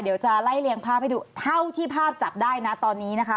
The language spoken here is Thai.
เดี๋ยวจะไล่เรียงภาพให้ดูเท่าที่ภาพจับได้นะตอนนี้นะคะ